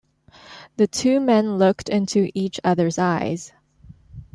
The two men looked into each other’s eyes.